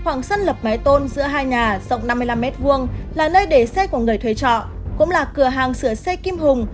hoàng sân lập mái tôn giữa hai nhà rộng năm mươi năm m hai là nơi để xe của người thuê trọ cũng là cửa hàng sửa xe kim hùng